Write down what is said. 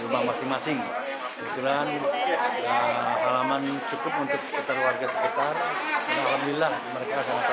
meski bersama dengan masyarakat